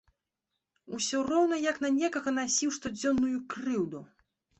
Усё роўна як на некага насіў штодзённую крыўду.